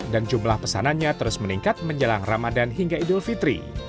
dan jumlah pesanannya terus meningkat menjelang ramadan hingga idul fitri